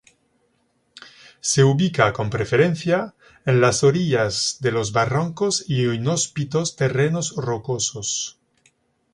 Se ubica, con preferencia, en las orillas de los barrancos e inhóspitos terrenos rocosos.